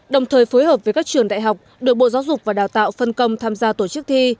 đồng thời phối hợp với các trường đại học được bộ giáo dục và đào tạo phân công tham gia tổ chức thi